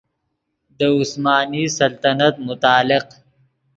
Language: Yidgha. دے عثمانی سلطنت متعلق